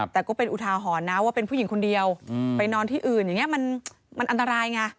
แต่ก็เป็นอุทาหรณ์นะว่าเป็นผู้หญิงคนเดียวไปนอนที่อื่นอย่างนี้มันอันตรายไง